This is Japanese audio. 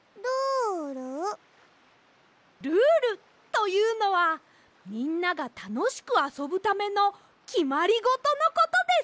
「ルール」というのはみんながたのしくあそぶためのきまりごとのことです！